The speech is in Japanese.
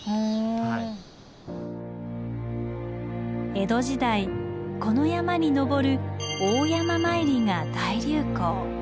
江戸時代この山に登る「大山詣り」が大流行。